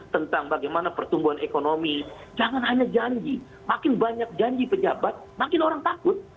tentang bagaimana pertumbuhan ekonomi jangan hanya janji makin banyak janji pejabat makin orang takut